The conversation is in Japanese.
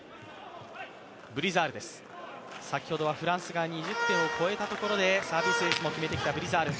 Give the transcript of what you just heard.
先ほどはフランスが２０点を超えてきたところでサービスエースも決めてきたブリザール。